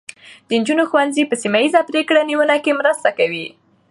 د نجونو ښوونځي په سیمه ایزه پرېکړه نیونه کې مرسته کوي.